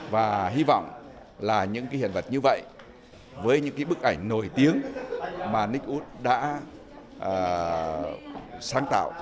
và hy vọng là những cái hiện vật như vậy với những cái bức ảnh nổi tiếng mà nick wood đã sáng tạo